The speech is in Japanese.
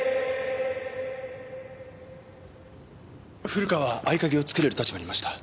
古川は合鍵を作れる立場にいました。